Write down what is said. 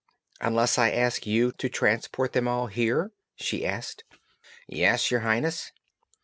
"Unless I ask you to transport them all here?" she asked. "Yes, your Highness."